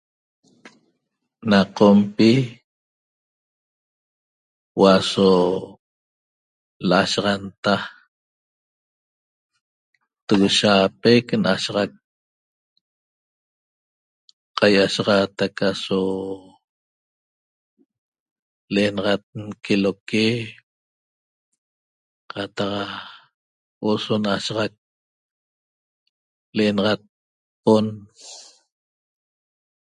Na Qompi huo'o aso l'asahaxanta togoshaapec nashaxac qaiashaxaatac aso l'enaxat nqueloque qataq huo'o so nashaxac l'enaxat pon